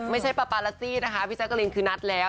ไม่ใช่ปาปาลาซี่นะคะพี่แจ๊กกะลินคือนัดแล้ว